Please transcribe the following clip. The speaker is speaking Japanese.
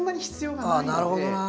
ああなるほどな。